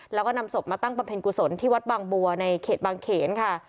แล้วก็นำศพมาตั้งบำเพ็ญกุศลที่วัดบางบัวในเขตบางเขนค่ะ